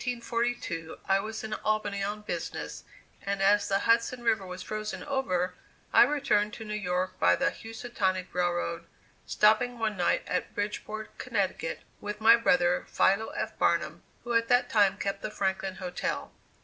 In November, 1842, I was in Albany on business, and as the Hudson River was frozen over, I returned to New York by the Housatonic Railroad, stopping one night at Bridgeport, Connecticut, with my brother, Philo F. Barnum, who at that time kept the Franklin Hotel.